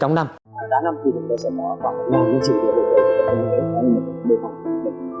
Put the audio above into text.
trong năm chúng tôi sẽ mở hoạt động những sự kiện đối với các thành viên của hội bull bảy mươi năm